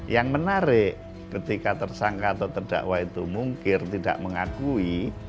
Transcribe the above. yang menarik ketika tersangka atau terdakwa itu mungkir tidak mengakui